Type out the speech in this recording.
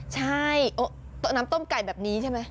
ใช่โต๊ะน้ำต้มไก่แบบนี้ใช่ไหม